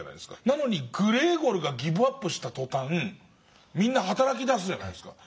なのにグレーゴルがギブアップした途端みんな働きだすじゃないですか。